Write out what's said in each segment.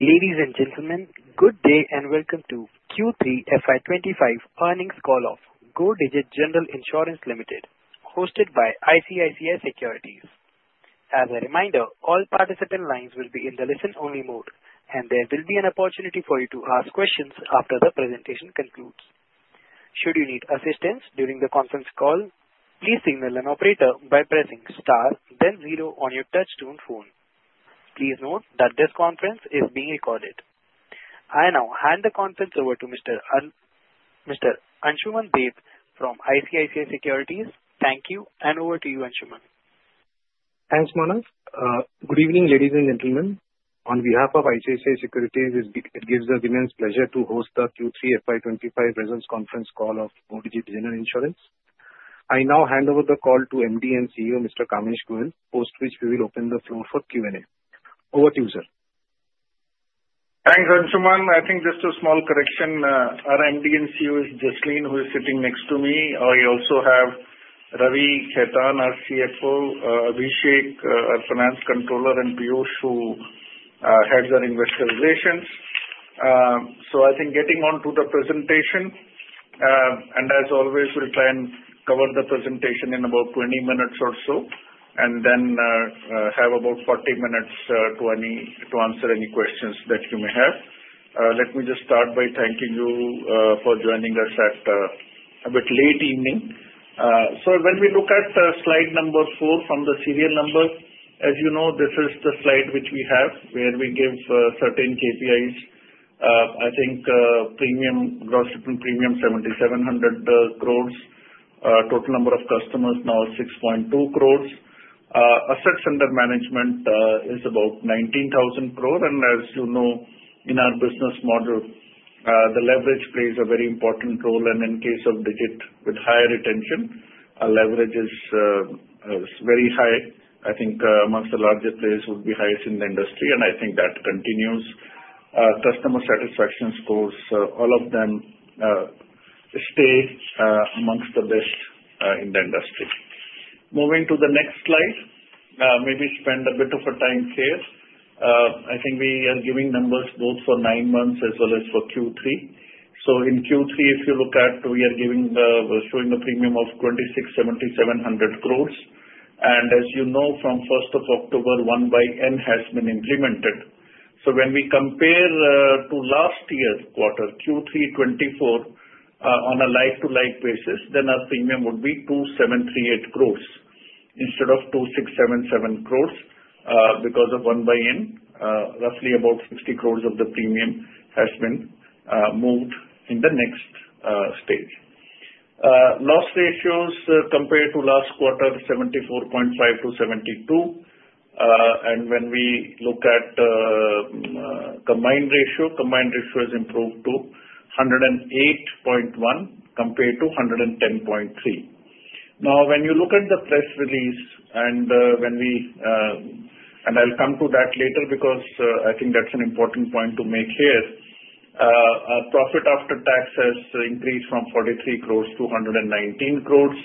Ladies and gentlemen, good day and welcome to Q3 FY25 earnings call of Go Digit General Insurance Limited, hosted by ICICI Securities. As a reminder, all participant lines will be in the listen-only mode, and there will be an opportunity for you to ask questions after the presentation concludes. Should you need assistance during the conference call, please signal an operator by pressing star, then zero on your touch-tone phone. Please note that this conference is being recorded. I now hand the conference over to Mr. Anshuman Bhat from ICICI Securities. Thank you, and over to you, Anshuman. Thanks, Manav. Good evening, ladies and gentlemen. On behalf of ICICI Securities, it gives us immense pleasure to host the Q3 FY25 results conference call of Go Digit General Insurance. I now hand over the call to MD and CEO, Mr. Kamesh Goyal, post which we will open the floor for Q&A. Over to you, sir. Thanks, Anshuman. I think just a small correction. Our MD and CEO is Jasleen, who is sitting next to me. We also have Ravi Khetan, our CFO, Abhishek, our finance controller and Tejas, who heads our investor relations. So I think getting on to the presentation, and as always, we'll try and cover the presentation in about 20 minutes or so, and then have about 40 minutes to answer any questions that you may have. Let me just start by thanking you for joining us at a bit late evening. So when we look at slide number four from the serial number, as you know, this is the slide which we have where we give certain KPIs. I think gross premium 7,700 crores, total number of customers now 6.2 crores. Assets under management is about 19,000 crores. As you know, in our business model, the leverage plays a very important role. In case of Digit with higher retention, our leverage is very high. I think amongst the largest players would be highest in the industry, and I think that continues. Customer satisfaction scores, all of them stay amongst the best in the industry. Moving to the next slide, maybe spend a bit of a time here. I think we are giving numbers both for nine months as well as for Q3. In Q3, if you look at, we are showing a premium of 2,677 crores. As you know, from 1st of October, 1/N has been implemented. When we compare to last year's quarter, Q3 2024, on a like-to-like basis, then our premium would be 2,738 crores instead of 2,677 crores because of 1/N. Roughly about 60 crores of the premium has been moved in the next stage. Loss ratios compared to last quarter, 74.5% to 72%. When we look at combined ratio, combined ratio has improved to 108.1% compared to 110.3%. Now, when you look at the press release and when we, and I'll come to that later because I think that's an important point to make here, profit after tax has increased from 43 crores to 119 crores.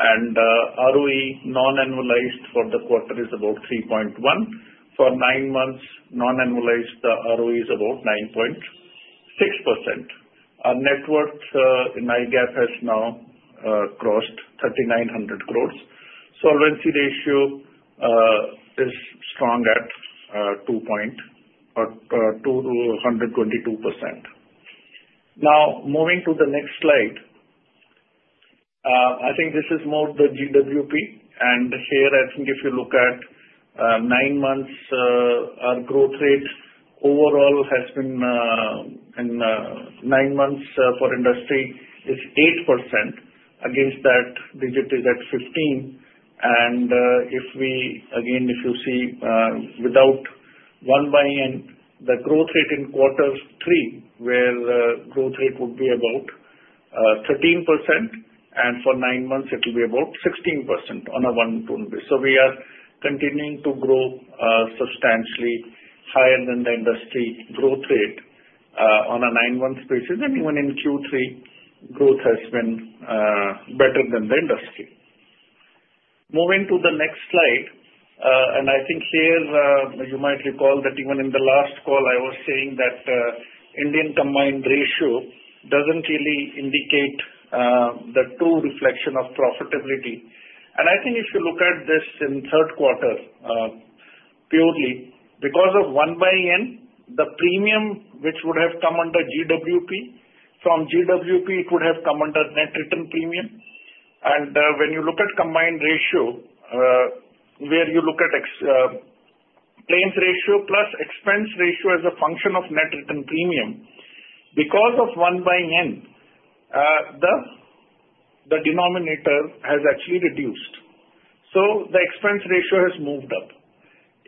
ROE non-annualized for the quarter is about 3.1%. For nine months, non-annualized ROE is about 9.6%. Our net worth in Indian GAAP has now crossed 3,900 crores. Solvency ratio is strong at 222%. Now, moving to the next slide, I think this is more the GWP. Here, I think if you look at nine months, our growth rate overall has been in nine months for industry is 8% against that Digit is at 15%. And again, if you see without 1xN, the growth rate in quarter three, where growth rate would be about 13%, and for nine months, it will be about 16% on a one-to-one basis. So we are continuing to grow substantially higher than the industry growth rate on a nine-month basis. And even in Q3, growth has been better than the industry. Moving to the next slide, and I think here you might recall that even in the last call, I was saying that Indian combined ratio doesn't really indicate the true reflection of profitability. And I think if you look at this in third quarter purely, because of 1xN, the premium which would have come under GWP, from GWP, it would have come under net earned premium. And when you look at combined ratio, where you look at claims ratio plus expense ratio as a function of Net Earned Premium, because of 1/N, the denominator has actually reduced. So the expense ratio has moved up.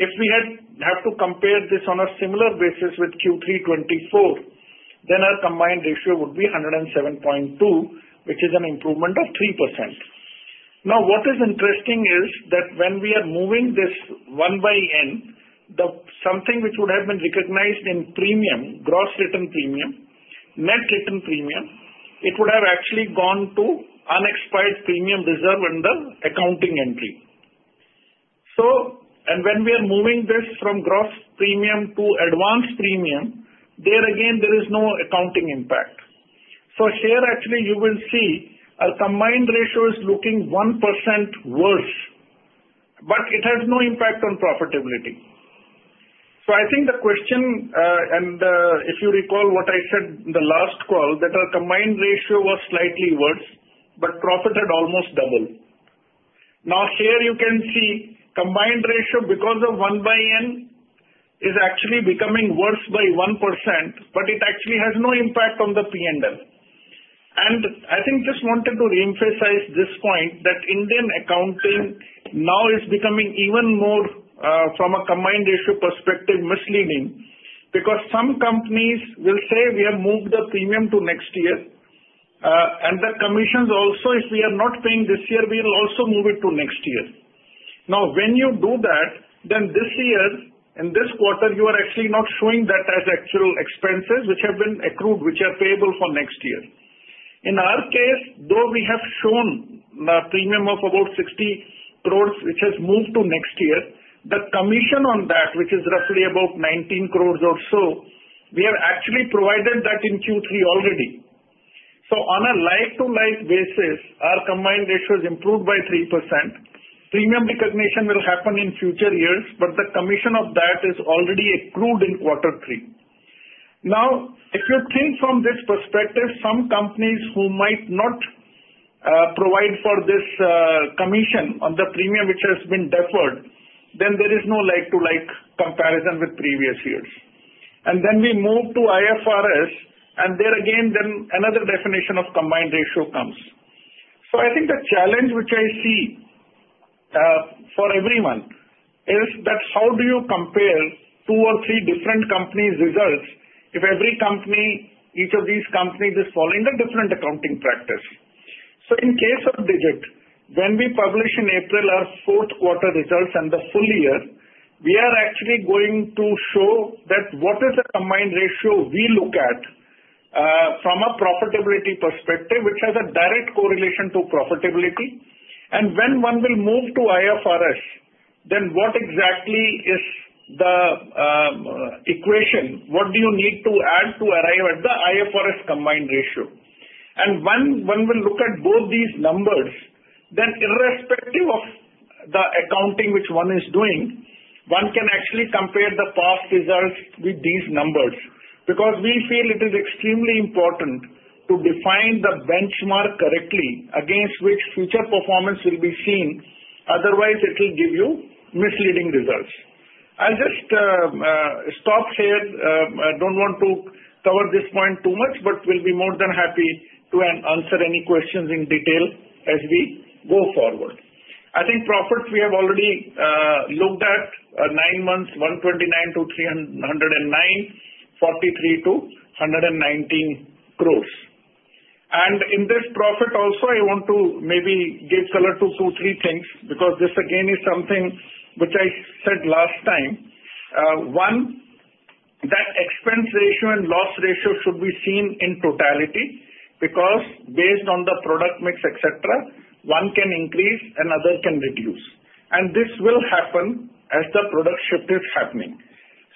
If we have to compare this on a similar basis with Q3 2024, then our combined ratio would be 107.2, which is an improvement of 3%. Now, what is interesting is that when we are moving this 1/N, something which would have been recognized in premium, gross return premium, Net Earned Premium, it would have actually gone to unexpired premium reserve under accounting entry. And when we are moving this from gross premium to advance premium, there again, there is no accounting impact. So here, actually, you will see our combined ratio is looking 1% worse, but it has no impact on profitability. I think the question, and if you recall what I said in the last call, that our combined ratio was slightly worse, but profit had almost doubled. Now, here you can see combined ratio because of 1/N is actually becoming worse by 1%, but it actually has no impact on the P&L. And I think just wanted to reemphasize this point that Indian accounting now is becoming even more from a combined ratio perspective misleading because some companies will say, "We have moved the premium to next year." And the commissions also, if we are not paying this year, we will also move it to next year. Now, when you do that, then this year, in this quarter, you are actually not showing that as actual expenses which have been accrued, which are payable for next year. In our case, though we have shown a premium of about 60 crore, which has moved to next year, the commission on that, which is roughly about 19 crore or so, we have actually provided that in Q3 already. So on a like-to-like basis, our combined ratio has improved by 3%. Premium recognition will happen in future years, but the commission of that is already accrued in quarter three. Now, if you think from this perspective, some companies who might not provide for this commission on the premium which has been deferred, then there is no like-to-like comparison with previous years. And then we move to IFRS, and there again, then another definition of combined ratio comes. So I think the challenge which I see for everyone is that how do you compare two or three different companies' results if every company, each of these companies, is following a different accounting practice? So in case of Digit, when we publish in April our fourth quarter results and the full year, we are actually going to show that what is the combined ratio we look at from a profitability perspective, which has a direct correlation to profitability, and when one will move to IFRS, then what exactly is the equation? What do you need to add to arrive at the IFRS combined ratio? When one will look at both these numbers, then irrespective of the accounting which one is doing, one can actually compare the past results with these numbers because we feel it is extremely important to define the benchmark correctly against which future performance will be seen. Otherwise, it will give you misleading results. I'll just stop here. I don't want to cover this point too much, but we'll be more than happy to answer any questions in detail as we go forward. I think profit we have already looked at nine months, 129-309 crores, 43-119 crores. In this profit also, I want to maybe give color to two or three things because this again is something which I said last time. One, that expense ratio and loss ratio should be seen in totality because based on the product mix, etc., one can increase and other can reduce. And this will happen as the product shift is happening.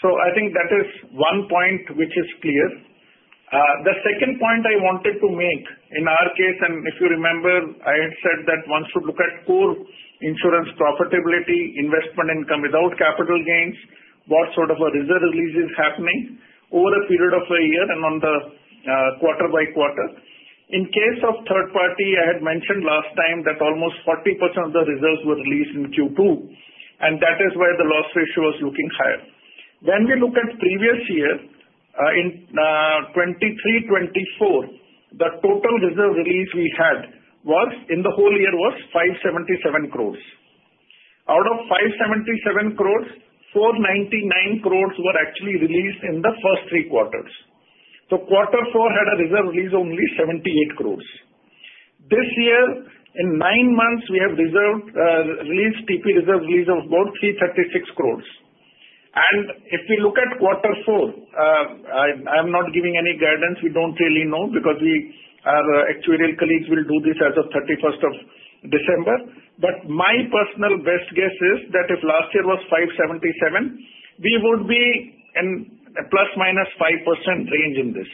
So I think that is one point which is clear. The second point I wanted to make in our case, and if you remember, I had said that one should look at core insurance profitability, investment income without capital gains, what sort of a reserve release is happening over a period of a year and on the quarter-by-quarter. In case of third party, I had mentioned last time that almost 40% of the reserves were released in Q2, and that is why the loss ratio was looking higher. When we look at previous year, in 2023-2024, the total reserve release we had was in the whole year was 577 crores. Out of 577 crores, 499 crores were actually released in the first three quarters. So quarter four had a reserve release of only 78 crores. This year, in nine months, we have released TP reserve release of about 336 crores. And if you look at quarter four, I'm not giving any guidance. We don't really know because our actuarial colleagues will do this as of 31st of December. But my personal best guess is that if last year was 577, we would be in plus minus 5% range in this.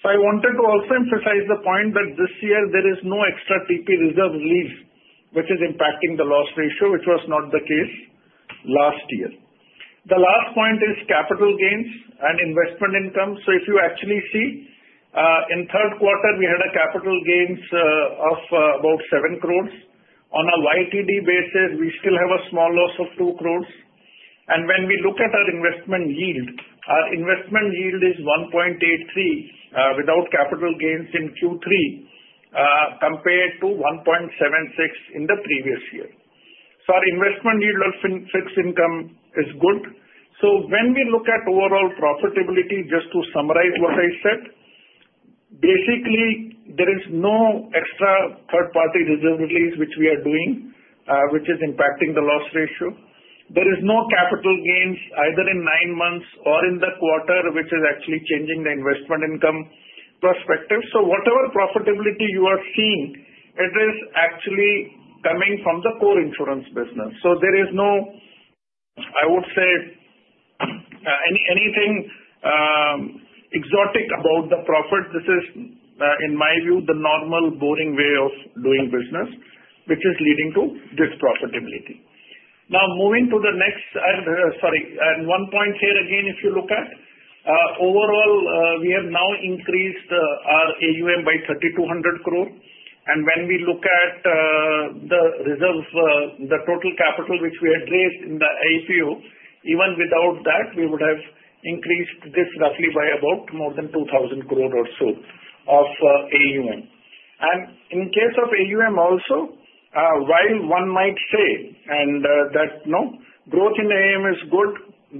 So I wanted to also emphasize the point that this year there is no extra TP reserve release which is impacting the loss ratio, which was not the case last year. The last point is capital gains and investment income. So if you actually see in third quarter, we had a capital gains of about 7 crores. On a YTD basis, we still have a small loss of 2 crores. And when we look at our investment yield, our investment yield is 1.83 without capital gains in Q3 compared to 1.76 in the previous year. So our investment yield or fixed income is good. So when we look at overall profitability, just to summarize what I said, basically, there is no extra third-party reserve release which we are doing, which is impacting the loss ratio. There is no capital gains either in nine months or in the quarter, which is actually changing the investment income perspective. So whatever profitability you are seeing, it is actually coming from the core insurance business. So there is no, I would say, anything exotic about the profit. This is, in my view, the normal boring way of doing business, which is leading to this profitability. Now, moving to the next, sorry. One point here again, if you look at overall, we have now increased our AUM by 3,200 crores. When we look at the reserve, the total capital which we had raised in the IPO, even without that, we would have increased this roughly by about more than 2,000 crores or so of AUM. In case of AUM also, while one might say that growth in AUM is good,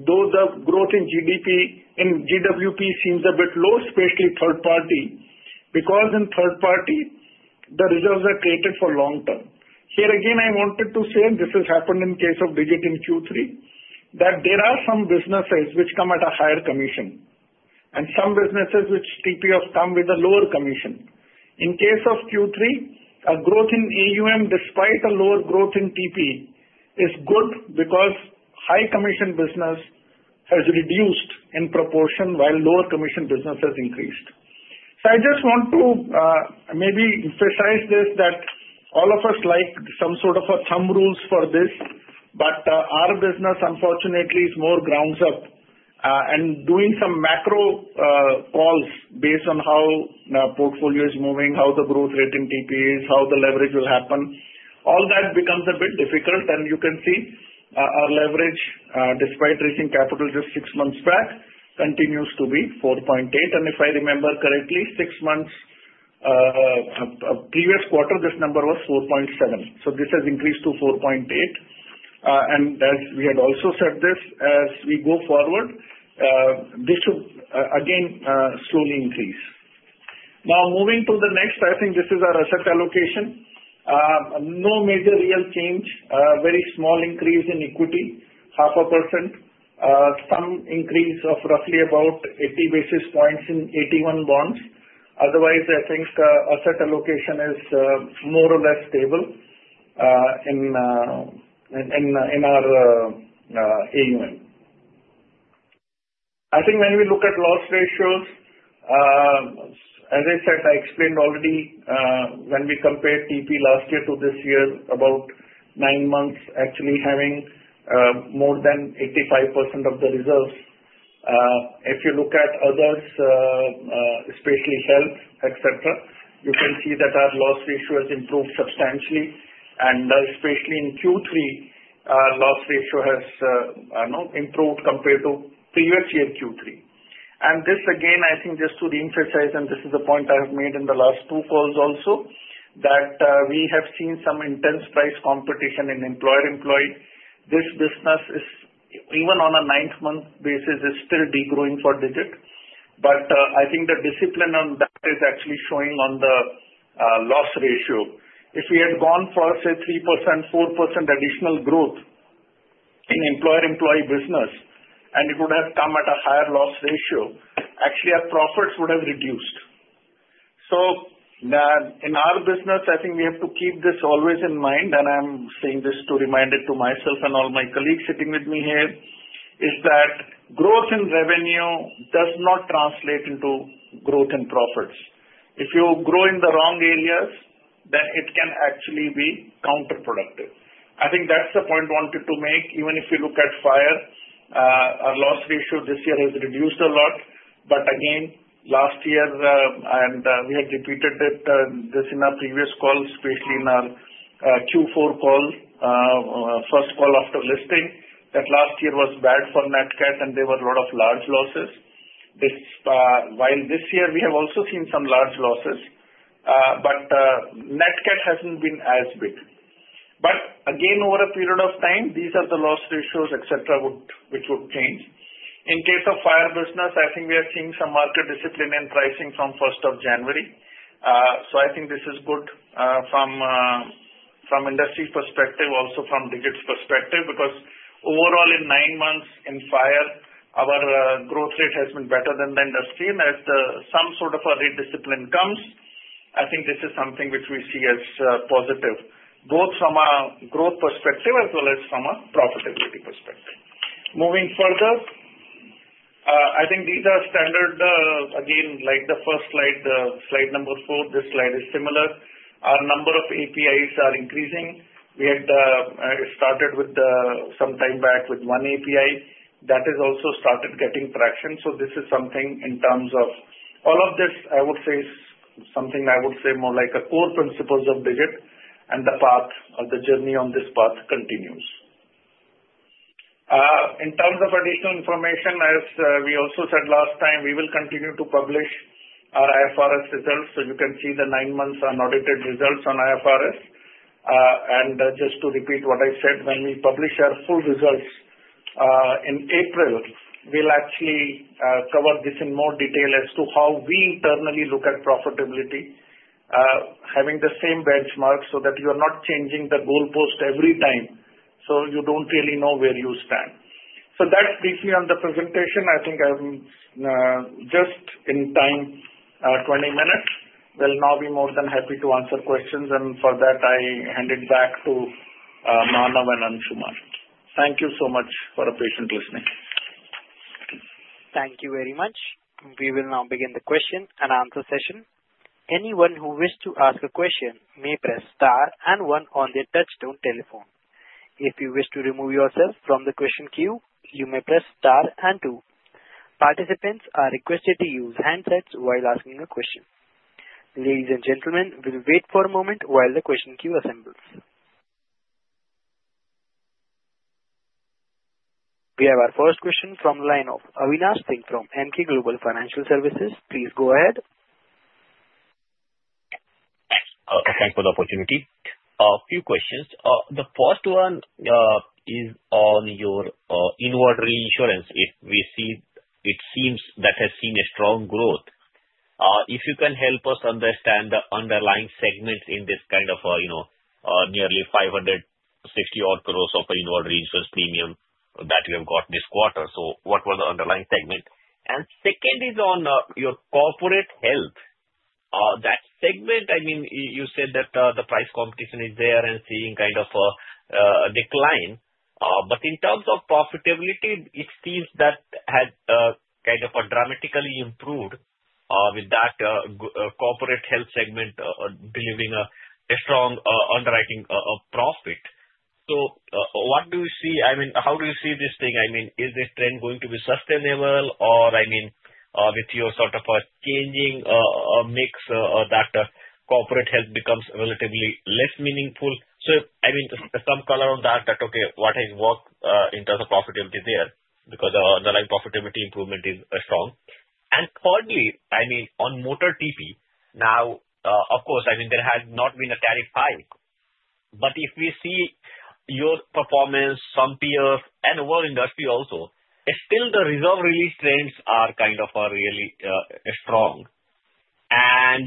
though the growth in GWP seems a bit low, especially third party, because in third party, the reserves are created for long term. Here again, I wanted to say, and this has happened in case of Digit in Q3, that there are some businesses which come at a higher commission and some businesses which TP have come with a lower commission. In case of Q3, a growth in AUM despite a lower growth in TP is good because high-commission business has reduced in proportion while lower-commission business has increased. So I just want to maybe emphasize this that all of us like some sort of a thumb rules for this, but our business, unfortunately, is more grounds up. And doing some macro calls based on how the portfolio is moving, how the growth rate in TP is, how the leverage will happen, all that becomes a bit difficult. And you can see our leverage, despite raising capital just six months back, continues to be 4.8. And if I remember correctly, six months previous quarter, this number was 4.7. So this has increased to 4.8. And as we had also said this, as we go forward, this should again slowly increase. Now, moving to the next, I think this is our asset allocation. No major real change, very small increase in equity, 0.5%, some increase of roughly about 80 basis points in AT1 bonds. Otherwise, I think asset allocation is more or less stable in our AUM. I think when we look at loss ratios, as I said, I explained already when we compared TP last year to this year, about nine months actually having more than 85% of the reserves. If you look at others, especially health, etc., you can see that our loss ratio has improved substantially, and especially in Q3, our loss ratio has improved compared to previous year Q3. And this again, I think just to reemphasize, and this is a point I have made in the last two calls also, that we have seen some intense price competition in employer-employee. This business, even on a ninth-month basis, is still degrowing for Digit. But I think the discipline on that is actually showing on the loss ratio. If we had gone for, say, 3%-4% additional growth in employer-employee business, and it would have come at a higher loss ratio, actually our profits would have reduced. So in our business, I think we have to keep this always in mind. And I'm saying this to remind myself and all my colleagues sitting with me here, is that growth in revenue does not translate into growth in profits. If you grow in the wrong areas, then it can actually be counterproductive. I think that's the point I wanted to make. Even if you look at fire, our loss ratio this year has reduced a lot. But again, last year, and we had repeated it in our previous calls, especially in our Q4 call, first call after listing, that last year was bad for Net Cat, and there were a lot of large losses. While this year, we have also seen some large losses, but Nat Cat hasn't been as big. But again, over a period of time, these are the loss ratios, etc., which would change. In case of fire business, I think we are seeing some market discipline in pricing from 1st of January. So I think this is good from industry perspective, also from Digit's perspective, because overall, in nine months in fire, our growth rate has been better than the industry. And as some sort of a rediscipline comes, I think this is something which we see as positive, both from a growth perspective as well as from a profitability perspective. Moving further, I think these are standard, again, like the first slide, slide number four. This slide is similar. Our number of APIs are increasing. We had started with some time back with one API that has also started getting traction. So this is something in terms of all of this, I would say, is something I would say more like a core principles of Digit, and the path or the journey on this path continues. In terms of additional information, as we also said last time, we will continue to publish our IFRS results. So you can see the nine months unaudited results on IFRS, and just to repeat what I said, when we publish our full results in April, we'll actually cover this in more detail as to how we internally look at profitability, having the same benchmark so that you are not changing the goalpost every time. You don't really know where you stand. That's briefly on the presentation. I think I'm just in time, 20 minutes. We'll now be more than happy to answer questions. For that, I hand it back to Manav and Anshuman. Thank you so much for patient listening. Thank you very much. We will now begin the question and answer session. Anyone who wishes to ask a question may press star and one on their touch-tone telephone. If you wish to remove yourself from the question queue, you may press star and two. Participants are requested to use handsets while asking a question. Ladies and gentlemen, we'll wait for a moment while the question queue assembles. We have our first question from the line of Avinash Singh from Emkay Global Financial Services. Please go ahead. Thanks for the opportunity. A few questions. The first one is on your inward reinsurance. It seems that has seen a strong growth. If you can help us understand the underlying segment in this kind of nearly 560-odd crores of inward reinsurance premium that you have got this quarter. So what were the underlying segment? And second is on your corporate health. That segment, I mean, you said that the price competition is there and seeing kind of a decline. But in terms of profitability, it seems that had kind of a dramatically improved with that corporate health segment delivering a strong underwriting profit. So what do you see? I mean, how do you see this thing? I mean, is this trend going to be sustainable? Or I mean, with your sort of a changing mix, that corporate health becomes relatively less meaningful? So, I mean, some color on that. That okay, what has worked in terms of profitability there? Because the underlying profitability improvement is strong. And thirdly, I mean, on motor TP, now, of course, I mean, there has not been a tariff hike. But if we see your performance, some peers, and overall industry also, still the reserve release trends are kind of really strong. And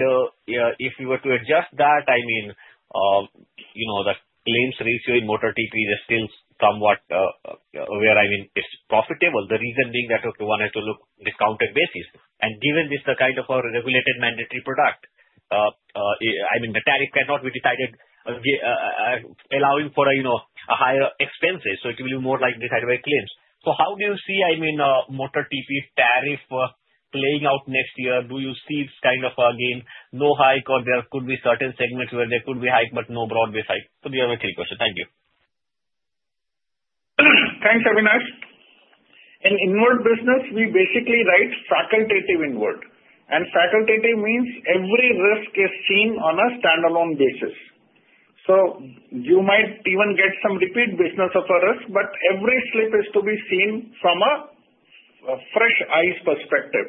if you were to adjust that, I mean, the claims ratio in motor TP is still somewhat where I mean, it's profitable. The reason being that, okay, one has to look at discounted basis. And given this is the kind of a regulated mandatory product, I mean, the tariff cannot be decided allowing for higher expenses. So it will be more like decided by claims. So how do you see, I mean, motor TP tariff playing out next year? Do you see it's kind of, again, no hike, or there could be certain segments where there could be hike, but no broad-based hike? So these are my three questions. Thank you. Thanks, Avinash. In inward business, we basically write facultative inward. Facultative means every risk is seen on a standalone basis. You might even get some repeat business of a risk, but every slip is to be seen from a fresh eyes perspective.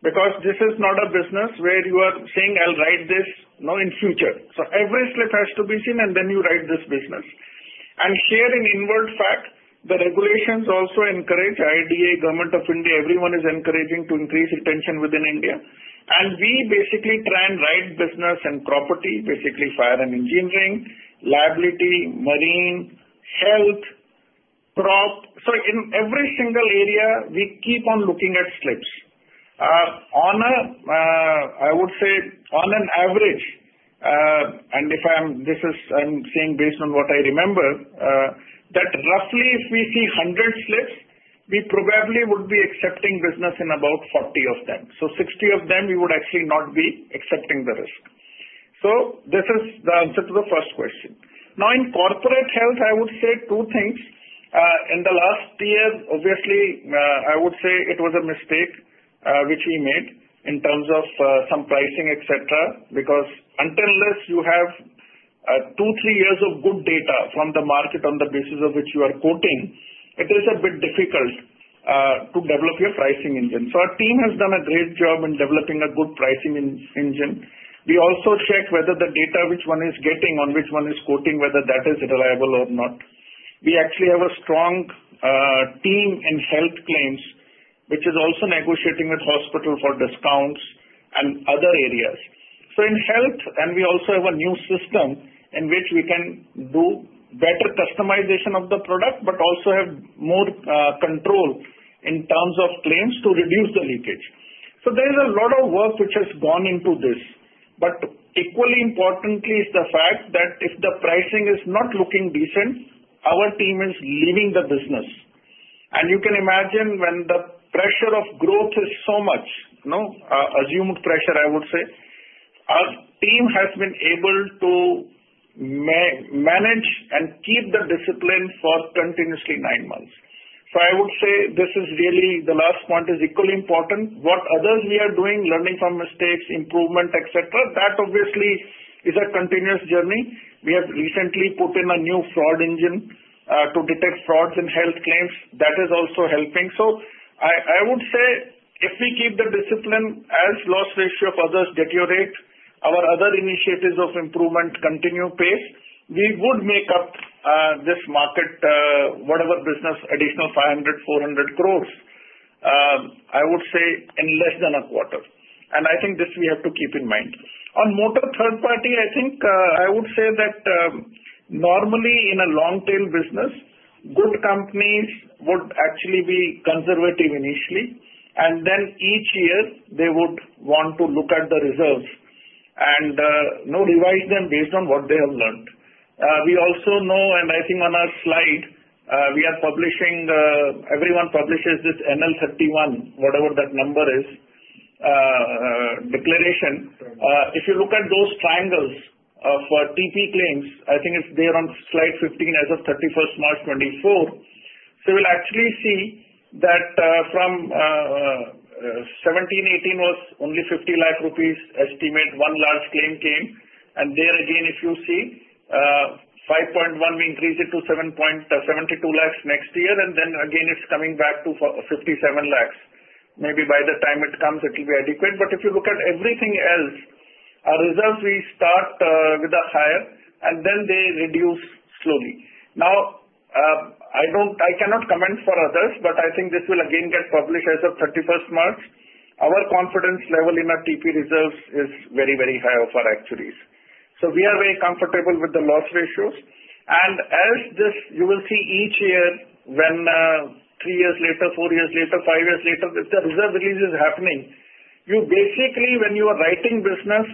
This is not a business where you are saying, "I'll write this in future." Every slip has to be seen, and then you write this business. Here in inward, in fact, the regulations also encourage IRDAI, Government of India. Everyone is encouraging to increase retention within India. We basically try and write business and property, basically fire and engineering, liability, marine, health, crop. In every single area, we keep on looking at slips. I would say, on an average, and if I'm saying based on what I remember, that roughly if we see 100 slips, we probably would be accepting business in about 40 of them. So 60 of them, we would actually not be accepting the risk. So this is the answer to the first question. Now, in corporate health, I would say two things. In the last year, obviously, I would say it was a mistake which we made in terms of some pricing, etc. Because until you have two, three years of good data from the market on the basis of which you are quoting, it is a bit difficult to develop your pricing engine. So our team has done a great job in developing a good pricing engine. We also check whether the data which one is getting on which one is quoting, whether that is reliable or not. We actually have a strong team in health claims, which is also negotiating with hospital for discounts and other areas. So in health, and we also have a new system in which we can do better customization of the product, but also have more control in terms of claims to reduce the leakage. So there is a lot of work which has gone into this. But equally importantly is the fact that if the pricing is not looking decent, our team is leaving the business. And you can imagine when the pressure of growth is so much, assumed pressure, I would say, our team has been able to manage and keep the discipline for continuously nine months. I would say this is really the last point is equally important. What others we are doing, learning from mistakes, improvement, etc., that obviously is a continuous journey. We have recently put in a new fraud engine to detect frauds in health claims. That is also helping. I would say if we keep the discipline as loss ratio of others deteriorate, our other initiatives of improvement continue pace, we would make up this market, whatever business, additional 400-500 crores, I would say, in less than a quarter. And I think this we have to keep in mind. On motor third party, I think I would say that normally in a long-tail business, good companies would actually be conservative initially. And then each year, they would want to look at the reserves and revise them based on what they have learned. We also know, and I think on our slide, we are publishing. Everyone publishes this NL-31, whatever that number is, declaration. If you look at those triangles of TP claims, I think it's there on slide 15 as of 31st March 2024. We'll actually see that from 17, 18 was only 50 lakh rupees estimate. One large claim came. There again, if you see 5.1, we increase it to 7.72 lakh next year. Then again, it's coming back to 57 lakh. Maybe by the time it comes, it will be adequate. If you look at everything else, our reserves we start with a higher, and then they reduce slowly. I cannot comment for others, but I think this will again get published as of 31st March. Our confidence level in our TP reserves is very, very high of our actuaries. We are very comfortable with the loss ratios. As this, you will see each year when three years later, four years later, five years later, if the reserve release is happening, you basically, when you are writing business,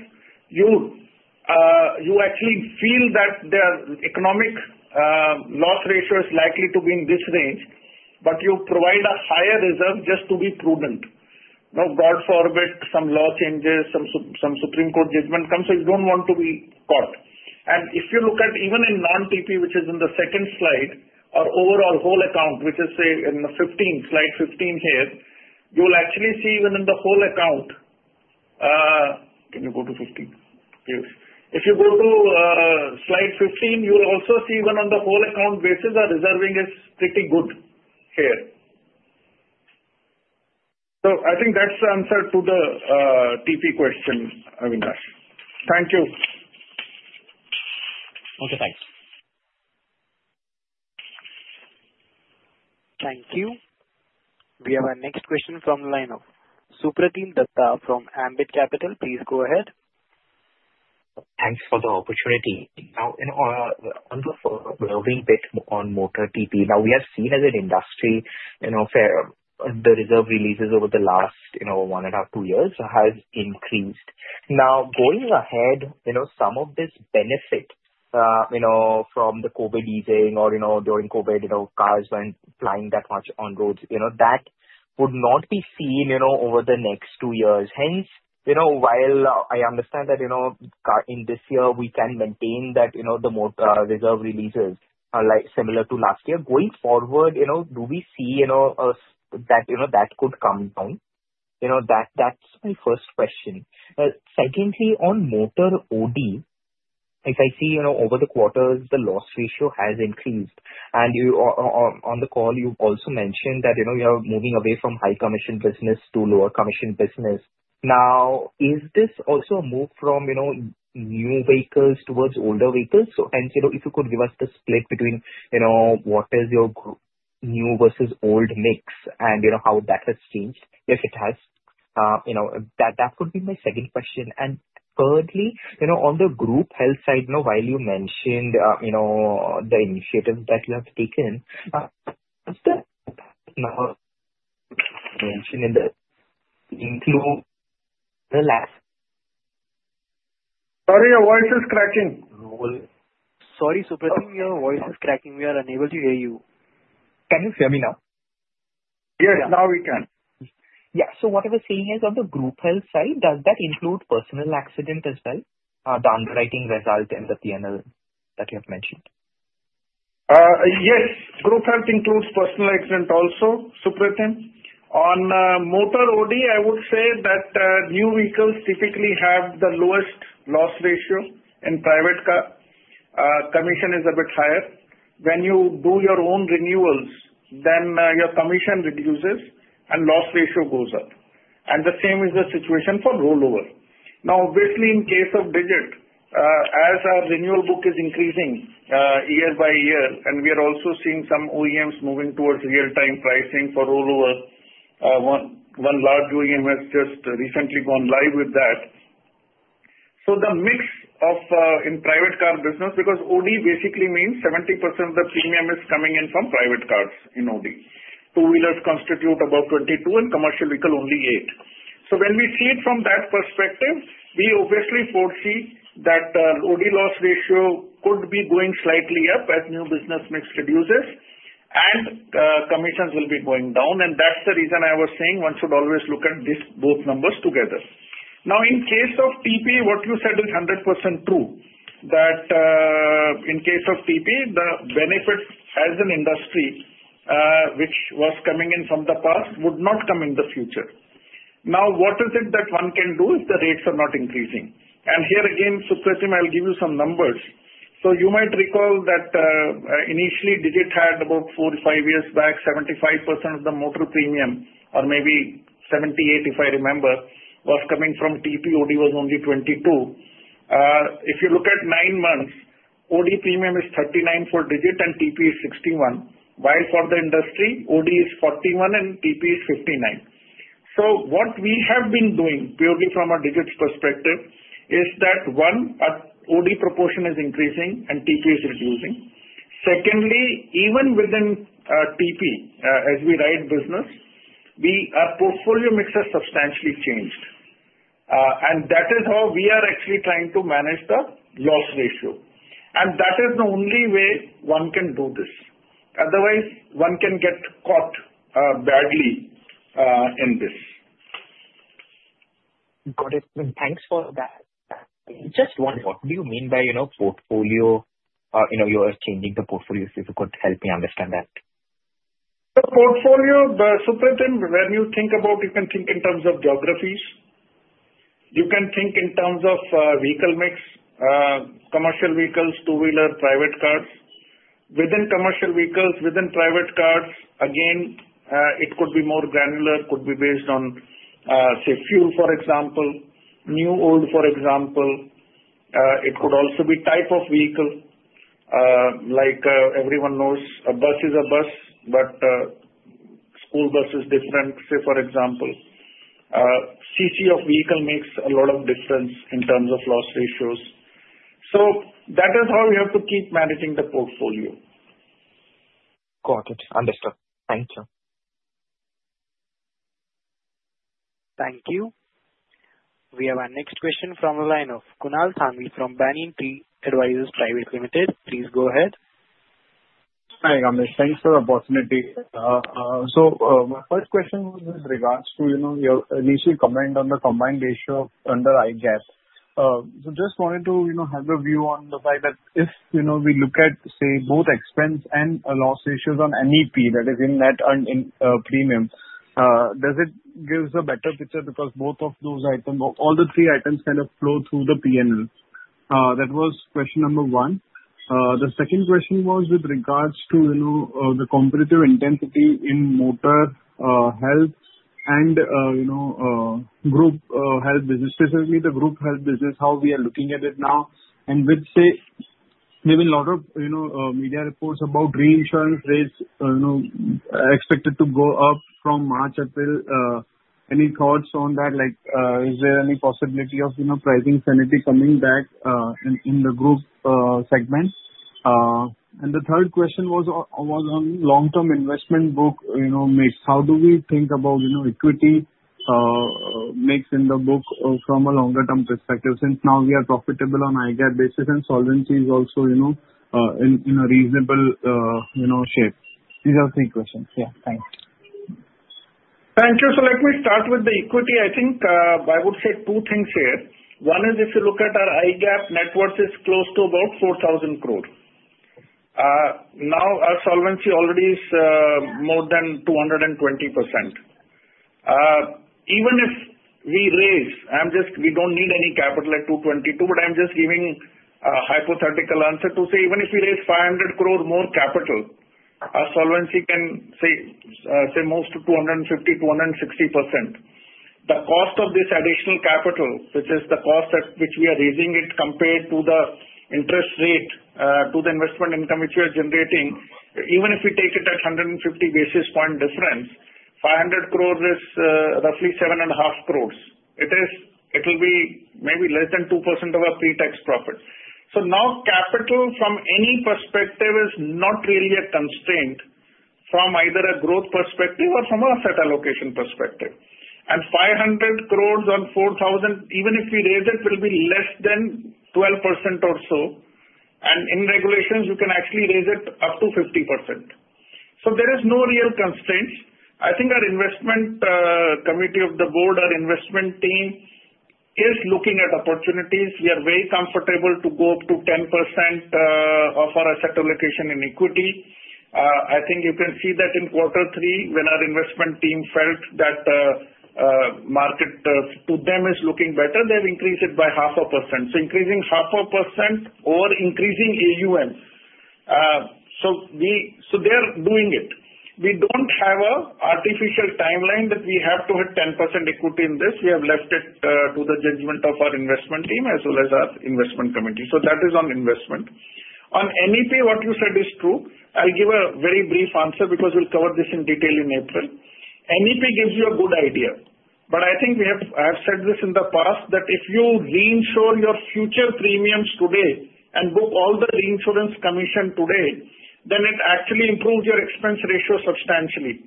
you actually feel that the economic loss ratio is likely to be in this range, but you provide a higher reserve just to be prudent. Now, God forbid, some law changes, some Supreme Court judgment comes, so you don't want to be caught. If you look at even in non-TP, which is in the second slide, or overall whole account, which is in the 15, slide 15 here, you will actually see even in the whole account, can you go to 15? If you go to slide 15, you will also see even on the whole account basis, our reserving is pretty good here. So I think that's the answer to the TP question, Avinash. Thank you. Okay. Thanks. Thank you. We have our next question from the line of Supratim Datta from Ambit Capital. Please go ahead. Thanks for the opportunity. Now, on the worrying bit on motor TP, now we have seen as an industry, the reserve releases over the last one and a half, two years has increased. Now, going ahead, some of this benefit from the COVID easing or during COVID, cars weren't plying that much on roads, that would not be seen over the next two years. Hence, while I understand that in this year, we can maintain that the reserve releases are similar to last year, going forward, do we see that that could come down? That's my first question. Secondly, on motor OD, if I see over the quarters, the loss ratio has increased. And on the call, you also mentioned that you are moving away from high commission business to lower commission business. Now, is this also a move from new vehicles towards older vehicles? So hence, if you could give us the split between what is your new versus old mix and how that has changed, if it has, that would be my second question. And thirdly, on the group health side, while you mentioned the initiatives that you have taken, is there now mention in the include the last? Sorry, your voice is cracking. Sorry, Supratim, your voice is cracking. We are unable to hear you. Can you hear me now? Yes, now we can. Yeah. So what I was saying is on the group health side, does that include personal accident as well, the underwriting result in the P&L that you have mentioned? Yes. Group health includes personal accident also, Supratim. On motor OD, I would say that new vehicles typically have the lowest loss ratio in private car. Commission is a bit higher. When you do your own renewals, then your commission reduces and loss ratio goes up. And the same is the situation for rollover. Now, obviously, in case of Digit, as our renewal book is increasing year by year, and we are also seeing some OEMs moving towards real-time pricing for rollover. One large OEM has just recently gone live with that. So the mix of in private car business, because OD basically means 70% of the premium is coming in from private cars in OD. Two-wheelers constitute about 22, and commercial vehicle only 8. So when we see it from that perspective, we obviously foresee that OD loss ratio could be going slightly up as new business mix reduces, and commissions will be going down. And that's the reason I was saying one should always look at both numbers together. Now, in case of TP, what you said is 100% true, that in case of TP, the benefit as an industry, which was coming in from the past, would not come in the future. Now, what is it that one can do if the rates are not increasing? And here again, Supratim, I'll give you some numbers. So you might recall that initially, Digit had about four or five years back, 75% of the motor premium, or maybe 78%, if I remember, was coming from TP. OD was only 22%. If you look at nine months, OD premium is 39 for Digit and TP is 61, while for the industry, OD is 41 and TP is 59. So what we have been doing purely from a Digit's perspective is that, one, OD proportion is increasing and TP is reducing. Secondly, even within TP, as we write business, our portfolio mix has substantially changed. And that is how we are actually trying to manage the loss ratio. And that is the only way one can do this. Otherwise, one can get caught badly in this. Got it. Thanks for that. Just one, what do you mean by portfolio? You are changing the portfolio. If you could help me understand that. The portfolio, Supratim, when you think about, you can think in terms of geographies. You can think in terms of vehicle mix, commercial vehicles, two-wheeler, private cars. Within commercial vehicles, within private cars, again, it could be more granular, could be based on, say, fuel, for example, new, old, for example. It could also be type of vehicle. Like everyone knows, a bus is a bus, but school bus is different, say, for example. CC of vehicle makes a lot of difference in terms of loss ratios. So that is how we have to keep managing the portfolio. Got it. Understood. Thank you. Thank you. We have our next question from the line of Kunal Thanvi from Banyan Tree Advisors Private Limited. Please go ahead. Hi, Kamesh. Thanks for the opportunity. So my first question with regards to your initial comment on the combined ratio under IGAP. So just wanted to have a view on the fact that if we look at, say, both expense and loss ratios on NEP that is in that premium, does it give a better picture? Because both of those items, all the three items kind of flow through the P&L. That was question number one. The second question was with regards to the competitive intensity in motor, health and group health business, specifically the group health business, how we are looking at it now. And we'd say there have been a lot of media reports about reinsurance rates expected to go up from March, April. Any thoughts on that? Is there any possibility of pricing sanity coming back in the group segment? And the third question was on long-term investment book mix. How do we think about equity mix in the book from a longer-term perspective since now we are profitable on IGAP basis and solvency is also in a reasonable shape? These are three questions. Yeah. Thanks. Thank you. So let me start with the equity. I think I would say two things here. One is if you look at our IGAP net worth, it's close to about 4,000 crores. Now, our solvency already is more than 220%. Even if we raise, we don't need any capital at 222%, but I'm just giving a hypothetical answer to say, even if we raise 500 crores more capital, our solvency can say most to 250%-260%. The cost of this additional capital, which is the cost at which we are raising it compared to the interest rate to the investment income which we are generating, even if we take it at 150 basis point difference, 500 crores is roughly 7.5 crores. It will be maybe less than 2% of our pre-tax profit. So now capital from any perspective is not really a constraint from either a growth perspective or from a set allocation perspective, and 500 crores on 4,000, even if we raise it, will be less than 12% or so. And in regulations, you can actually raise it up to 50%. So there is no real constraint. I think our investment committee of the board, our investment team is looking at opportunities. We are very comfortable to go up to 10% of our set allocation in equity. I think you can see that in quarter three when our investment team felt that the market to them is looking better, they have increased it by 0.5%. So increasing 0.5% or increasing AUM. So they are doing it. We don't have an artificial timeline that we have to have 10% equity in this. We have left it to the judgment of our investment team as well as our investment committee. So that is on investment. On NEP, what you said is true. I'll give a very brief answer because we'll cover this in detail in April. NEP gives you a good idea. But I think we have, I have said this in the past, that if you reinsure your future premiums today and book all the reinsurance commission today, then it actually improves your expense ratio substantially.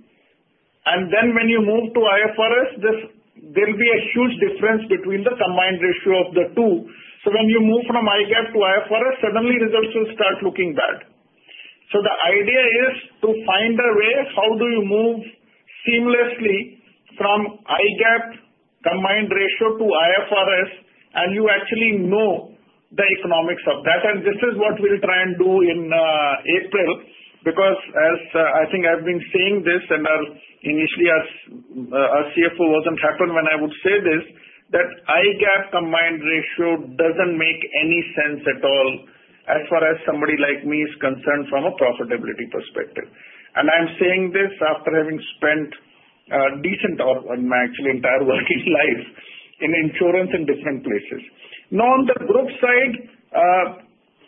And then when you move to IFRS, there will be a huge difference between the combined ratio of the two. So when you move from IGAP to IFRS, suddenly results will start looking bad. So the idea is to find a way how do you move seamlessly from IGAP combined ratio to IFRS, and you actually know the economics of that. This is what we'll try and do in April because as I think I've been saying this and initially as CFO wasn't happy when I would say this, that IGAP combined ratio doesn't make any sense at all as far as somebody like me is concerned from a profitability perspective. I'm saying this after having spent a decent, actually entire working life in insurance in different places. Now, on the group side,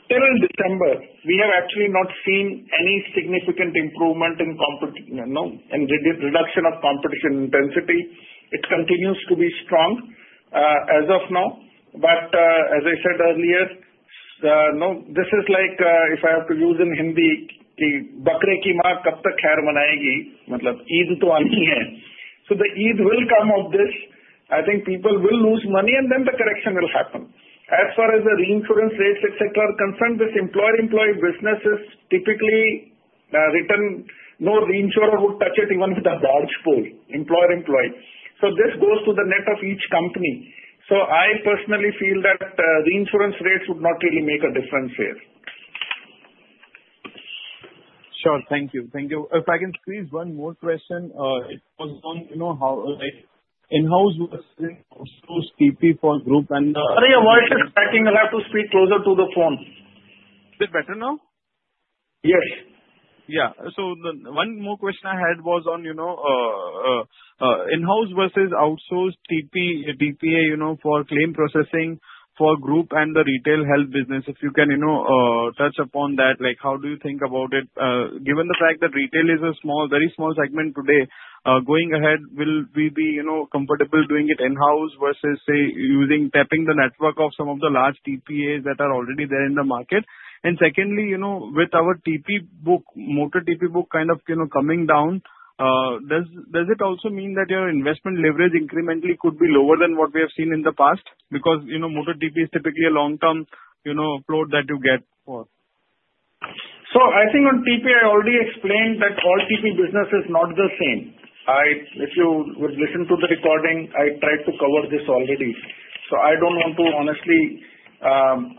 till December, we have actually not seen any significant improvement in reduction of competition intensity. It continues to be strong as of now. As I said earlier, this is like if I have to use in Hindi, "बकरे की मां कब तक खैर मनाएगी?" मतलब ईद तो आनी है. The Eid will come of this. I think people will lose money and then the correction will happen. As far as the reinsurance rates, etc., concerned with employer-employee businesses, typically no reinsurer would touch it even with a barge pole, employer-employee. So this goes to the net of each company. So I personally feel that reinsurance rates would not really make a difference here. Sure. Thank you. Thank you. If I can squeeze one more question, it was on how in-house was through CP for group and. Sorry, your voice is cracking. I have to speak closer to the phone. Is it better now? Yes. Yeah. So one more question I had was on in-house versus outsourced TPA for claim processing for group and the retail health business. If you can touch upon that, how do you think about it? Given the fact that retail is a very small segment today, going ahead, will we be comfortable doing it in-house versus, say, tapping the network of some of the large TPAs that are already there in the market? And secondly, with our motor DP book kind of coming down, does it also mean that your investment leverage incrementally could be lower than what we have seen in the past? Because motor DP is typically a long-term float that you get for. So I think on TP, I already explained that all TP business is not the same. If you would listen to the recording, I tried to cover this already. So I don't want to honestly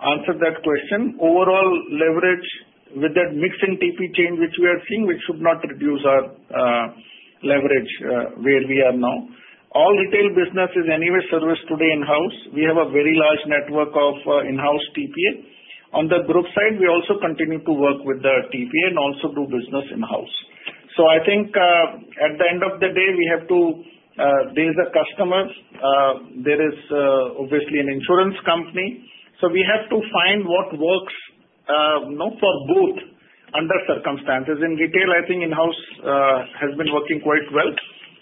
answer that question. Overall leverage with that mixing TP change which we are seeing, which should not reduce our leverage where we are now. All retail business is anyway serviced today in-house. We have a very large network of in-house TPA. On the group side, we also continue to work with the TPA and also do business in-house. So I think at the end of the day, we have to, there is a customer, there is obviously an insurance company. So we have to find what works for both under circumstances. In retail, I think in-house has been working quite well.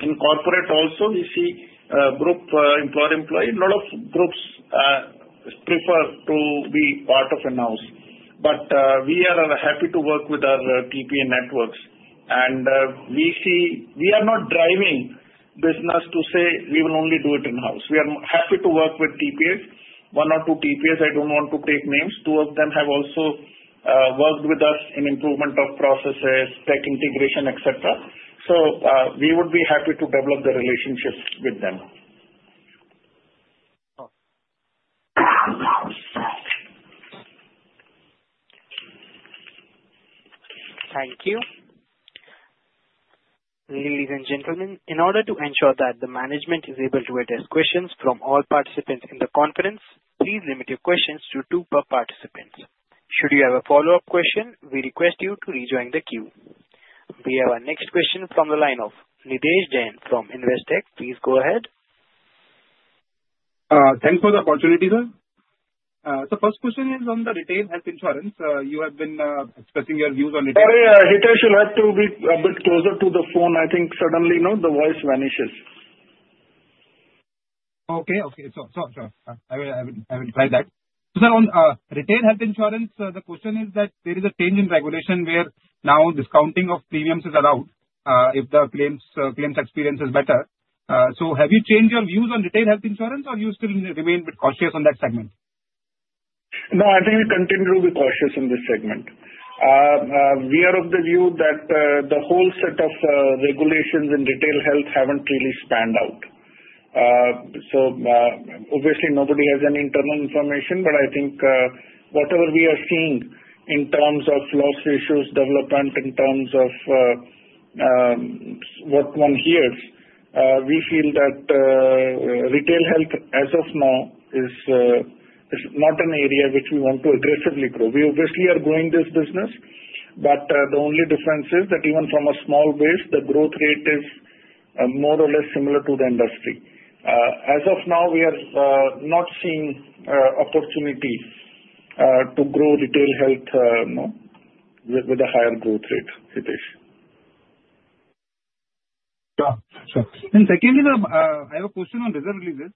In corporate also, we see group employer-employee. A lot of groups prefer to be part of in-house, but we are happy to work with our TPA networks, and we are not driving business to say we will only do it in-house. We are happy to work with TPAs. One or two TPAs, I don't want to take names. Two of them have also worked with us in improvement of processes, tech integration, etc., so we would be happy to develop the relationships with them. Thank you. Ladies and gentlemen, in order to ensure that the management is able to address questions from all participants in the conference, please limit your questions to two per participant. Should you have a follow-up question, we request you to rejoin the queue. We have our next question from the line of Nitesh Dhoot from Investec. Please go ahead. Thanks for the opportunity, sir. So first question is on the retail health insurance. You have been expressing your views on. Sorry, Hitesh should have to be a bit closer to the phone. I think suddenly the voice vanishes. Okay. Sure. I will try that. So on retail health insurance, the question is that there is a change in regulation where now discounting of premiums is allowed if the claims experience is better. So have you changed your views on retail health insurance, or do you still remain a bit cautious on that segment? No, I think we continue to be cautious in this segment. We are of the view that the whole set of regulations in retail health haven't really panned out. So obviously, nobody has any internal information, but I think whatever we are seeing in terms of loss ratios development, in terms of what one hears, we feel that retail health as of now is not an area which we want to aggressively grow. We obviously are growing this business, but the only difference is that even from a small base, the growth rate is more or less similar to the industry. As of now, we are not seeing opportunity to grow retail health with a higher growth rate, Hitesh. Sure. Sure. And secondly, I have a question on reserve releases.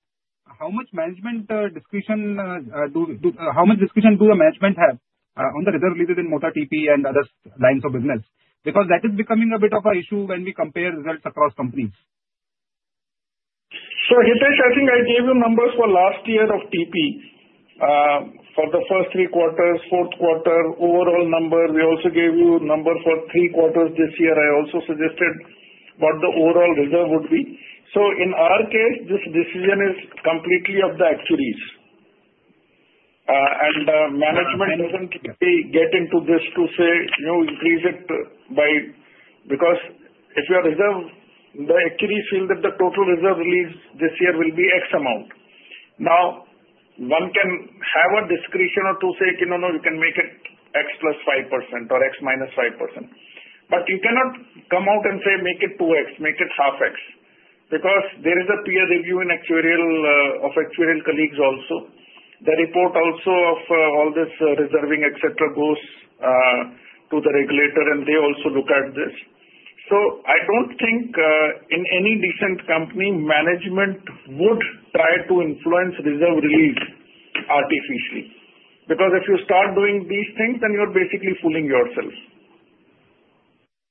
How much management discretion do the management have on the reserve releases in Motor TP and other lines of business? Because that is becoming a bit of an issue when we compare results across companies. So Hitesh, I think I gave you numbers for last year of TP for the first three quarters, fourth quarter, overall number. We also gave you numbers for three quarters this year. I also suggested what the overall reserve would be. So in our case, this decision is completely of the actuaries. And management doesn't get into this to say, "Increase it by," because if your reserve, the actuaries feel that the total reserve release this year will be X amount. Now, one can have a discretion to say, "No, no, you can make it X plus 5% or X minus 5%." But you cannot come out and say, "Make it 2X, make it half X." Because there is a peer review of actuarial colleagues also. The report also of all this reserving, etc., goes to the regulator, and they also look at this. So I don't think in any decent company, management would try to influence reserve release artificially. Because if you start doing these things, then you're basically fooling yourself.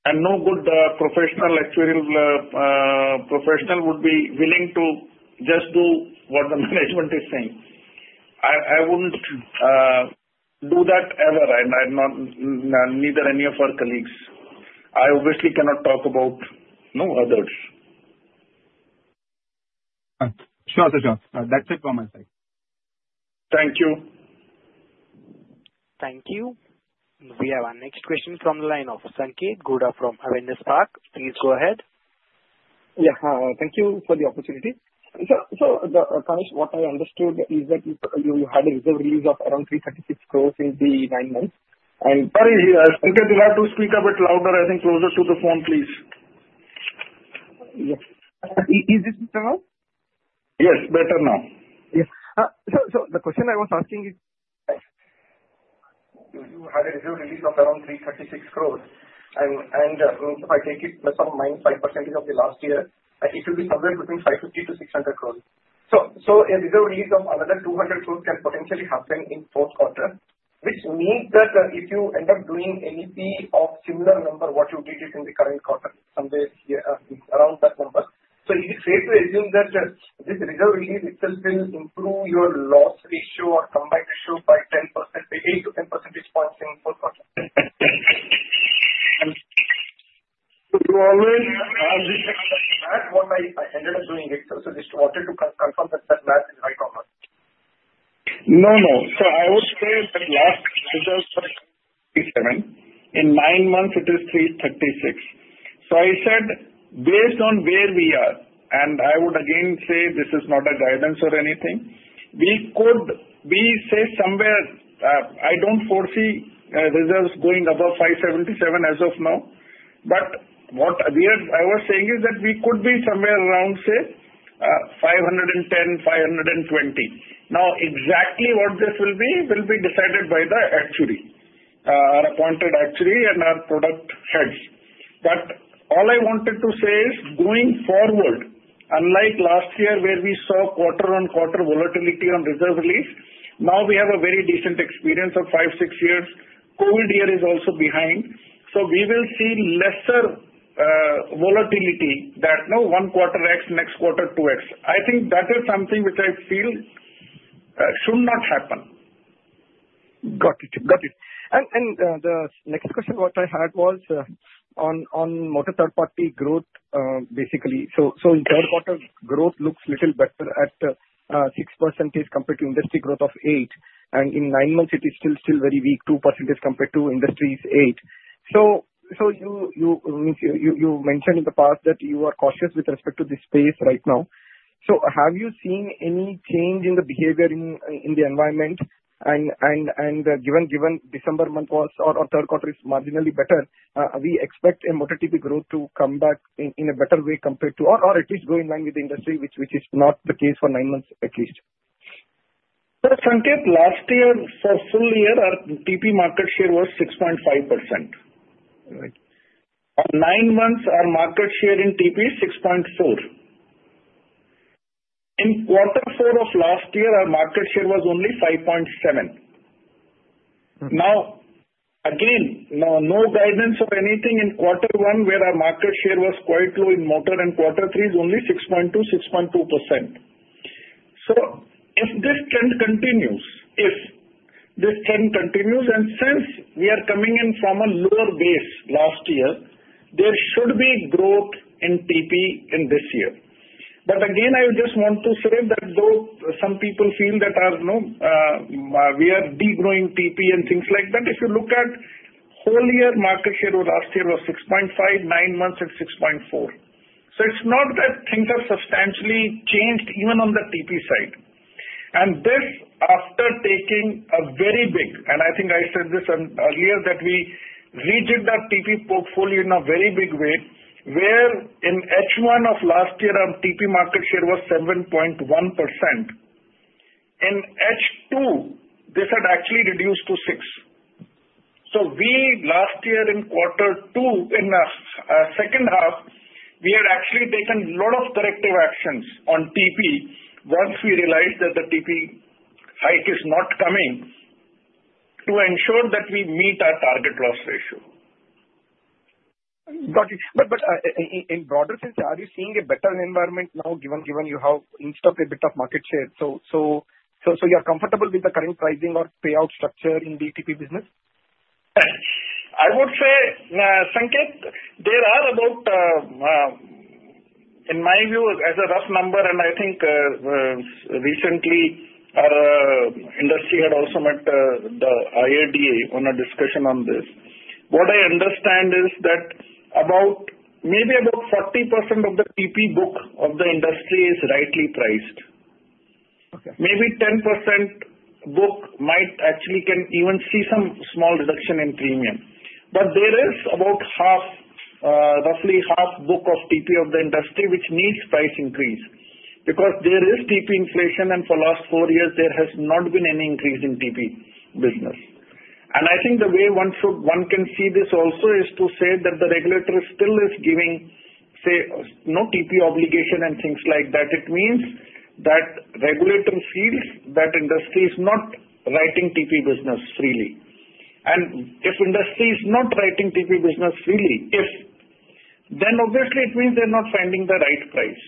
And no good professional actuarial professional would be willing to just do what the management is saying. I wouldn't do that ever, and neither any of our colleagues. I obviously cannot talk about others. Sure. Sure. Sure. That's it from my side. Thank you. Thank you. We have our next question from the line of Sanketh Godha from Avendus Spark. Please go ahead. Yeah. Thank you for the opportunity. So Tanish, what I understood is that you had a reserve release of around 336 crores in the nine months. And. Sorry, Sanketh, you have to speak a bit louder. I think closer to the phone, please. Is this better now? Yes, better now. Yes. So the question I was asking is, right? You had a reserve release of around 336 crores. And if I take it plus or minus 5% of the last year, it will be somewhere between 550-600 crores. So a reserve release of another 200 crores can potentially happen in fourth quarter, which means that if you end up doing any fee of similar number, what you did is in the current quarter, somewhere around that number. So is it safe to assume that this reserve release itself will improve your loss ratio or combined ratio by 8-10 percentage points in fourth quarter? That's what I ended up doing, Hitesh. So just wanted to confirm that that math is right or not. No, no. So I would say that last reserves were 337. In nine months, it is 336. So I said, based on where we are, and I would again say this is not a guidance or anything, we could be somewhere I don't foresee reserves going above 577 as of now. But what I was saying is that we could be somewhere around, say, 510, 520. Now, exactly what this will be will be decided by the actuary, our appointed actuary and our product heads. But all I wanted to say is going forward, unlike last year where we saw quarter-on-quarter volatility on reserve release, now we have a very decent experience of five, six years. COVID year is also behind. So we will see lesser volatility than now one quarter X, next quarter 2X. I think that is something which I feel should not happen. Got it. Got it. And the next question what I had was on motor third-party growth, basically. So in third quarter, growth looks a little better at 6% compared to industry growth of 8%. And in nine months, it is still very weak, 2% compared to industry's 8%. So you mentioned in the past that you are cautious with respect to this space right now. So have you seen any change in the behavior in the environment? And given December month was or third quarter is marginally better, we expect a motor TP growth to come back in a better way compared to or at least go in line with the industry, which is not the case for nine months at least. Sanketh, last year for full year, our TP market share was 6.5%. On nine months, our market share in TP is 6.4%. In quarter four of last year, our market share was only 5.7%. Now, again, no guidance or anything in quarter one where our market share was quite low in motor and quarter three is only 6.2, 6.2%. So if this trend continues, if this trend continues, and since we are coming in from a lower base last year, there should be growth in TP in this year. But again, I just want to say that though some people feel that we are degrowing TP and things like that, if you look at whole year market share last year was 6.5, nine months at 6.4. So it's not that things have substantially changed even on the TP side. This after taking a very big, and I think I said this earlier that we redid that TP portfolio in a very big way where in H1 of last year, our TP market share was 7.1%. In H2, this had actually reduced to 6%. So, last year in quarter two, in our second half, we had actually taken a lot of corrective actions on TP once we realized that the TP hike is not coming to ensure that we meet our target loss ratio. Got it. But in broader sense, are you seeing a better environment now given you have inked up a bit of market share? So you're comfortable with the current pricing or payout structure in the TP business? I would say, Sanketh, there are about, in my view, as a rough number, and I think recently our industry had also met the IRDAI on a discussion on this. What I understand is that maybe about 40% of the TP book of the industry is rightly priced. Maybe 10% book might actually can even see some small reduction in premium. But there is about roughly half book of TP of the industry which needs price increase because there is TP inflation, and for the last four years, there has not been any increase in TP business, and I think the way one can see this also is to say that the regulator still is giving, say, no TP obligation and things like that. It means that regulator feels that industry is not writing TP business freely. And if industry is not writing TP business freely, then obviously it means they're not finding the right price.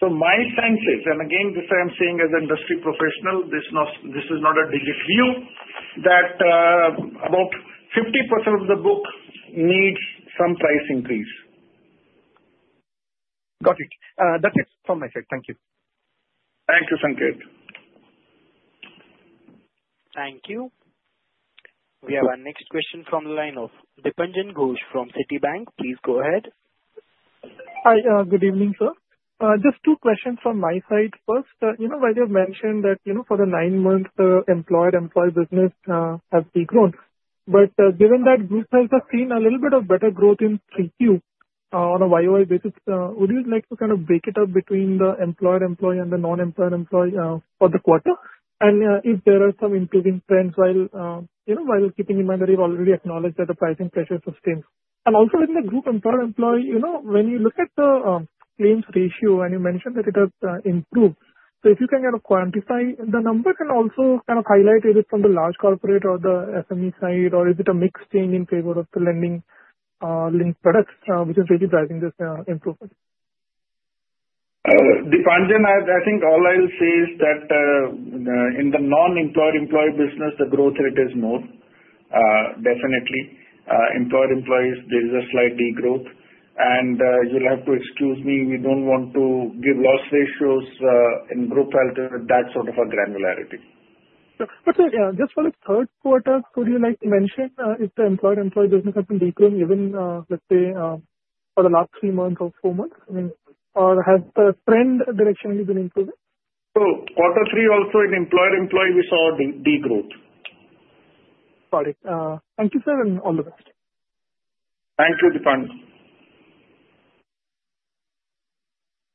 So my sense is, and again, this I am saying as an industry professional, this is not a Digit view, that about 50% of the book needs some price increase. Got it. That's it from my side. Thank you. Thank you, Sanketh. Thank you. We have our next question from the line of Dipanjan Ghosh from Citibank. Please go ahead. Hi. Good evening, sir. Just two questions from my side. First, while you have mentioned that for the nine months, the employer-employee business has decreased. Given that Go Digit has seen a little bit of better growth in Q2 on a YoY basis, would you like to kind of break it up between the employer-employee and the non-employer-employee for the quarter? And if there are some improving trends while keeping in mind that you've already acknowledged that the pricing pressure sustains. Also in the group employer-employee, when you look at the claims ratio and you mentioned that it has improved, so if you can kind of quantify the number and also kind of highlight, is it from the large corporate or the SME side, or is it a mixed change in favor of the lending-linked products which is really driving this improvement? Dipanjan, I think all I'll say is that in the non-employer-employee business, the growth rate is more, definitely. Employer-employees, there is a slight degrowth. You'll have to excuse me, we don't want to give loss ratios in group health with that sort of a granularity. But just for the third quarter, could you mention if the employer-employee business has been decreasing even, let's say, for the last three months or four months? Or has the trend directionally been improving? So quarter three also in employer-employee, we saw a degrowth. Got it. Thank you, sir, and all the best. Thank you, Dipanjan. Thank you.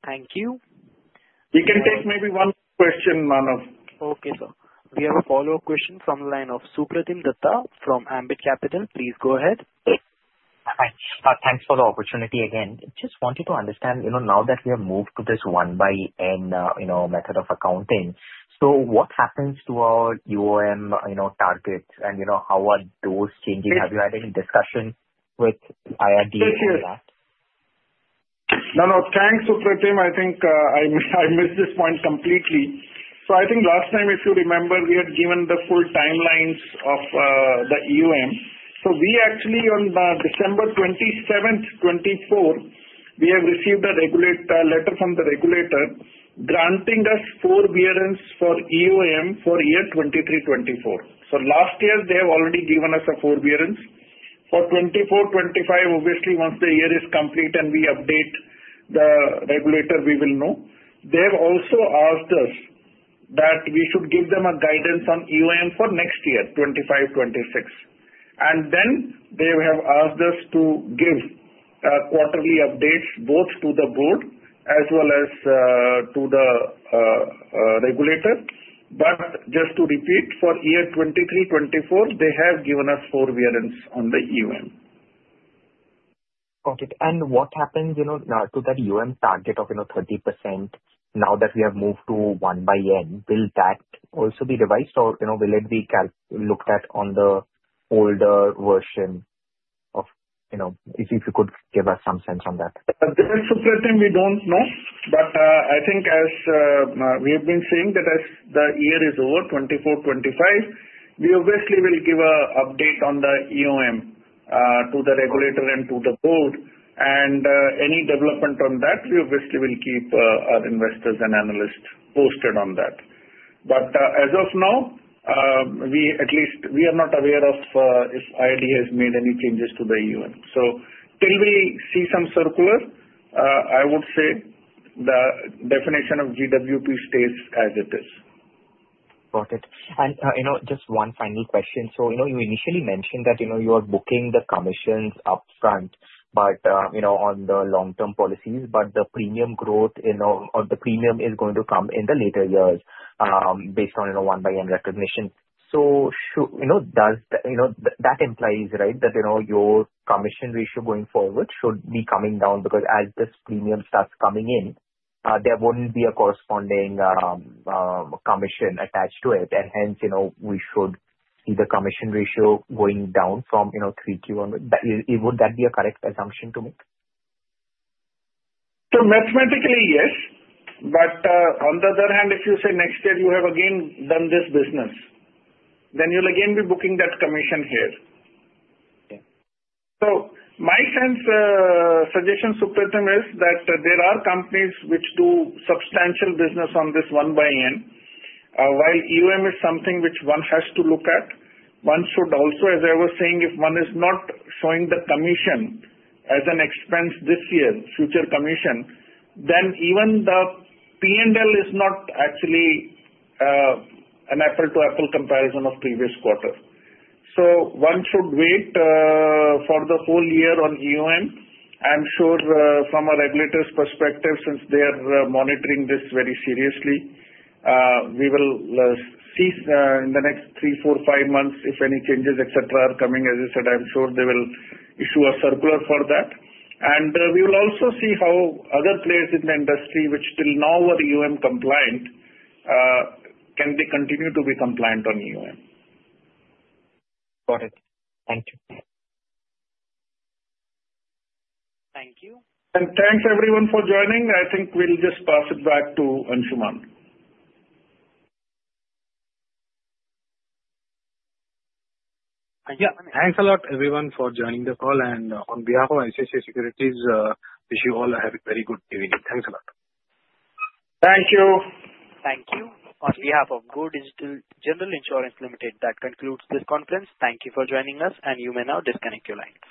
We can take maybe one question, Manav. Okay, sir. We have a follow-up question from the line of Supratim Datta from Ambit Capital. Please go ahead. Hi. Thanks for the opportunity again. Just wanted to understand, now that we have moved to this 1/N method of accounting, so what happens to our EOM targets? And how are those changing? Have you had any discussion with IRDAI on that? No, no. Thanks, Supratim. I think I missed this point completely. So I think last time, if you remember, we had given the full timelines of the EOM. So we actually, on December 27th, 2024, we have received a letter from the regulator granting us forbearance for EOM for year 2023-24. So last year, they have already given us a forbearance. For 2024-25, obviously, once the year is complete and we update the regulator, we will know. They have also asked us that we should give them a guidance on EOM for next year, 2025-26. And then they have asked us to give quarterly updates both to the board as well as to the regulator. But just to repeat, for year 2023-24, they have given us forbearance on the EOM. Got it. And what happens to that EOM target of 30% now that we have moved to 1/N? Will that also be revised, or will it be looked at on the older version? If you could give us some sense on that. Supratim, we don't know. But I think as we have been saying that as the year is over, 24-25, we obviously will give an update on the EOM to the regulator and to the board. And any development on that, we obviously will keep our investors and analysts posted on that. But as of now, at least we are not aware of if IRDAI has made any changes to the EOM. So till we see some circular, I would say the definition of GWP stays as it is. Got it. And just one final question. So you initially mentioned that you are booking the commissions upfront on the long-term policies, but the premium growth or the premium is going to come in the later years based on 1/N recognition. So that implies, right, that your commission ratio going forward should be coming down because as this premium starts coming in, there wouldn't be a corresponding commission attached to it. And hence, we should see the commission ratio going down from 3Q1. Would that be a correct assumption to make? So mathematically, yes. But on the other hand, if you say next year you have again done this business, then you'll again be booking that commission here. So my suggestion, Supratim, is that there are companies which do substantial business on this 1/N, while EOM is something which one has to look at. One should also, as I was saying, if one is not showing the commission as an expense this year, future commission, then even the P&L is not actually an apples-to-apples comparison of previous quarter. So one should wait for the whole year on EOM. I'm sure from a regulator's perspective, since they are monitoring this very seriously, we will see in the next three, four, five months if any changes, etc., are coming. As I said, I'm sure they will issue a circular for that. We will also see how other players in the industry which till now were EOM-compliant, can they continue to be compliant on EOM? Got it. Thank you. Thank you. And thanks, everyone, for joining. I think we'll just pass it back to Anshuman. Yeah. Thanks a lot, everyone, for joining the call and on behalf of ICICI Securities, wish you all a very good evening. Thanks a lot. Thank you. Thank you. On behalf of Go Digit General Insurance Limited, that concludes this conference. Thank you for joining us, and you may now disconnect your line.